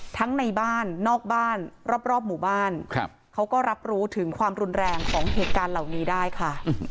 ในบ้านนอกบ้านรอบหมู่บ้านเขาก็รับรู้ถึงความรุนแรงของเหตุการณ์เหล่านี้ได้ค่ะ